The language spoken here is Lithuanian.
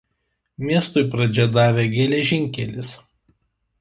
Miestui pradžią davė geležinkelis.